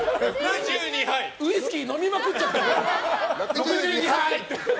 ウイスキー飲みまくっちゃってる。